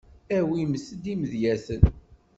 Awimt-d imedyaten.